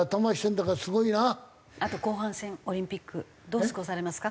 あと後半戦オリンピックどう過ごされますか？